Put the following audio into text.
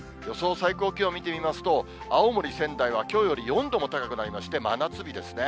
最高気温見てみますと、青森、仙台はきょうより４度も高くなりまして、真夏日ですね。